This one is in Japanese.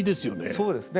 そうですね。